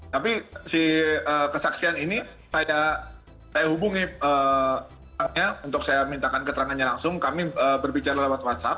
tapi si kesaksian ini saya hubungi untuk saya mintakan keterangannya langsung kami berbicara lewat whatsapp